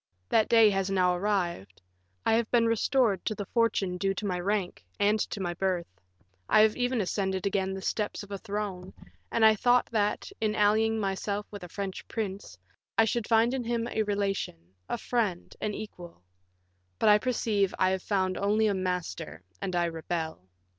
That day has now arrived; I have been restored to the fortune due to my rank and to my birth; I have even ascended again the steps of a throne, and I thought that, in allying myself with a French prince, I should find in him a relation, a friend, an equal; but I perceive I have found only a master, and I rebel.